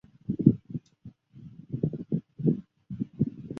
按察使司衙门创设人暨首任按察使是洪卑爵士。